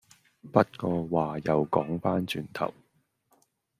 不過話又講番轉頭